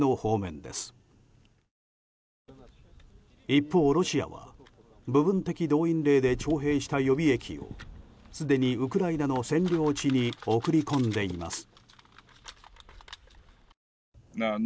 一方、ロシアは部分的動員令で徴兵した予備役をすでにウクライナの占領地に送り込んでいます。